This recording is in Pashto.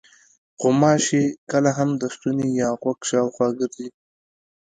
غوماشې کله هم د ستوني یا غوږ شاوخوا ګرځي.